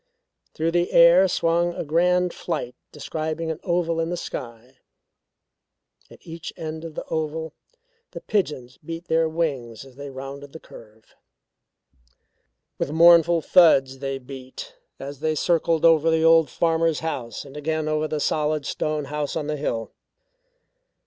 Through the air swung a grand flight describing an oval in the sky. At each end of the oval the pigeons beat their wings as they rounded the curve. With mournful thuds they beat, as they circled over the old farmer's house and again over the solid stone house on the hill.